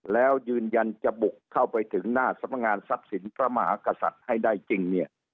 แล้วยืนยันจะบุกเข้าไปถึงหน้าสำนักงานทรัพย์สินพระมหากษัตริย์ให้ได้จริงเนี่ย